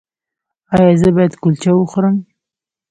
ایا زه باید کلچه وخورم؟